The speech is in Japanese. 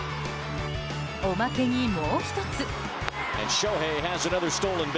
おまけに、もう１つ。